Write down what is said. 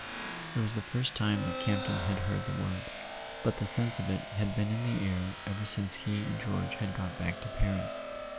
It was the first time that Campton had heard the word; but the sense of it had been in the air ever since he and George had got back to Paris.